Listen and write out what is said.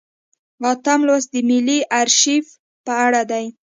اتم لوست د ملي ارشیف په اړه دی.